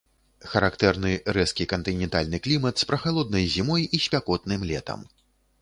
Характэрны рэзкі кантынентальны клімат з прахалоднай зімой і спякотным летам.